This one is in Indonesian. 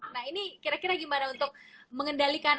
nah ini kira kira gimana untuk mengendalikan